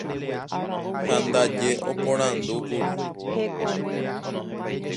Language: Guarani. ha ndaje oporandúkuri